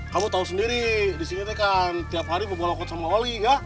kamu tau sendiri disini kan tiap hari berbual bual sama wali ya